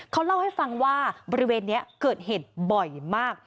เขาเล่าให้ฟังว่าบริเวณนี้เกิดเหตุบ่อยมาก